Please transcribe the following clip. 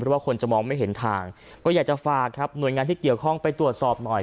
เพราะว่าคนจะมองไม่เห็นทางก็อยากจะฝากครับหน่วยงานที่เกี่ยวข้องไปตรวจสอบหน่อย